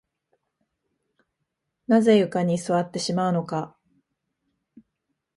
なぜ床に座ってしまうのか